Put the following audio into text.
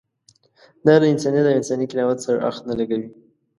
دا له انسانیت او انساني کرامت سره اړخ نه لګوي.